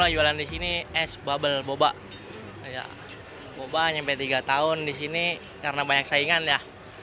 ya boba nyampe tiga tahun disini karena banyak saingan ya